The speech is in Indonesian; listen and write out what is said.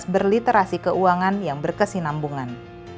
berliterasi keuangan yang berkesinambungan